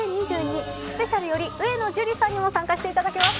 スペシャルより上野樹里さんにも参加していただきます。